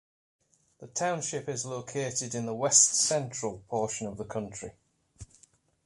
The township is located in the west central portion of the county.